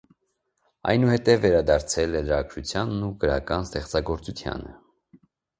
Այնուհետև վերադարձել է լրագրությանն ու գրական ստեղծագործությանը։